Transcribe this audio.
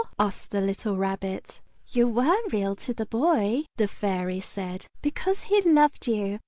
asked the little Rabbit. "You were Real to the Boy," the Fairy said, "because he loved you.